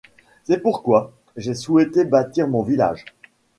C'est pourquoi j'ai souhaité bâtir mon village.